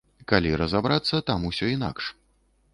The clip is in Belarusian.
Калі разабрацца, там усё інакш.